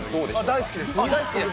大好きですか？